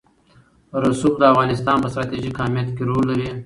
رسوب د افغانستان په ستراتیژیک اهمیت کې رول لري.